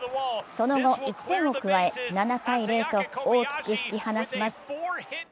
その後１点を加え７−０と大きく引き離します。